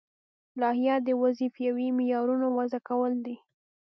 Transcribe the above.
لایحه د وظیفوي معیارونو وضع کول دي.